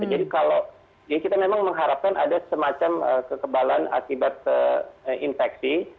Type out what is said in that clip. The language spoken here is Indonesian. jadi kalau ya kita memang mengharapkan ada semacam kekebalan akibat infeksi